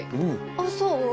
ああそう？